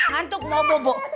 nantuk bawa bobo